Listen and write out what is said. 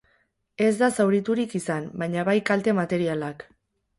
Ez da zauriturik izan, baina bai kalte materialak.